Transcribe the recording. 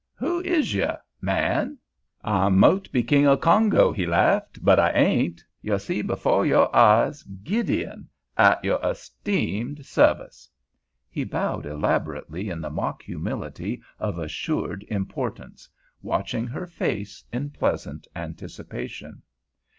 "Who is yo', man?" "I mought be king of Kongo," he laughed, "but I ain't. Yo' see befo' yo' jes Gideon—at yo'r 'steemed sehvice." He bowed elaborately in the mock humility of assured importance, watching her face in pleasant anticipation.